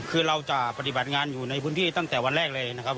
คือเราจะปฏิบัติงานอยู่ในพื้นที่ตั้งแต่วันแรกเลยนะครับ